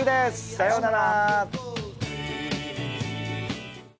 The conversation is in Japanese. さようなら！